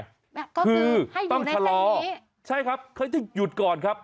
ก็คือให้อยู่ในเส้นนี้ใช่ครับเขาจะหยุดก่อนครับ